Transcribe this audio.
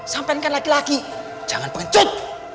sampean kan laki laki jangan pengecut